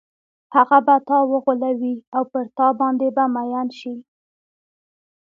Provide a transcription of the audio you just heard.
هغه به تا وغولوي او پر تا باندې به مئین شي.